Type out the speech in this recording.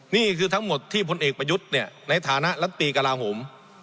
นี่คือทั้งหมดที่พลเอกประยุทธ์เนี่ยในฐานะรัฐตีกระลาโหม